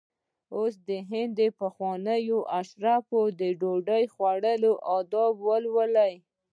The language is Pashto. اوس د هند د پخوانیو اشرافو د ډوډۍ خوړلو آداب لولو.